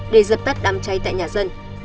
để dập tắt đám cháy tại nhà dân